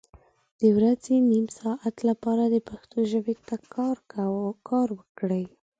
د ورځې نیم ساعت لپاره د پښتو ژبې ته کار وکړئ